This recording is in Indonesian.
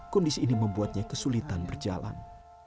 kondisi ini membuatnya kesulitan berjalan